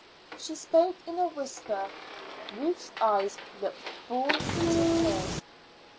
She spoke in a whisper. Ruth's eyes looked full into hers.